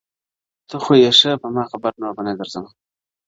• ته خو يې ښه په ما خبره نور بـه نـه درځمـه.